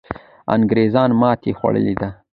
انګریزان ماتې خوړلې ده.